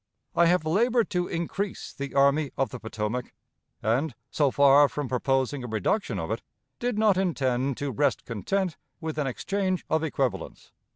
I have labored to increase the Army of the Potomac, and, so far from proposing a reduction of it, did not intend to rest content with an exchange of equivalents.